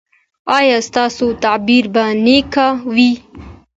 ایا ستاسو تعبیر به نیک وي؟